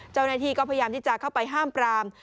เจ้าหน้าที่ก็พยายามที่จะเข้าไปห้ามปราม